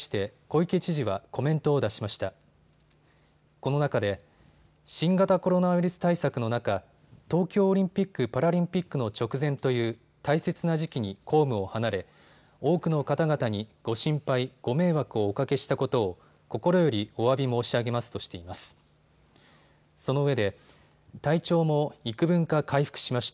この中で新型コロナウイルス対策の中、東京オリンピック・パラリンピックの直前という大切な時期に公務を離れ、多くの方々にご心配、ご迷惑をおかけしたことを心よりおわび申し上げますとしています。